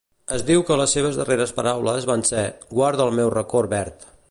Es diu que les seves darreres paraules van ser: Guarda el meu record verd.